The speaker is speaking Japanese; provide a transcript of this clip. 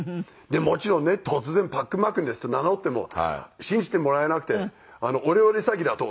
でもちろんね突然「パックンマックンです」って名乗っても信じてもらえなくてオレオレ詐欺だと。